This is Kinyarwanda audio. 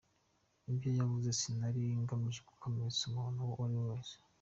Ibyo navuze sinari ngamije gukomeretsa umuntu uwo ari wese.